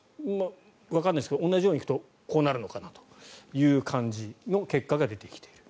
わからないですけど同じように行くとこうなるのかなという結果が出ている。